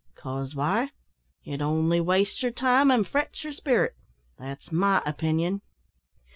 'Cause why? it only wastes yer time an' frets yer sperrit that's my opinion."